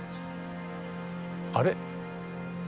あれ？